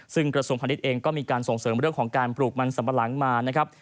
ซึ่งกระทรวงพาณิชย์เองก็มีการส่งเสริมเรื่องของการปลูกมันสัมปะหลังมานะครับ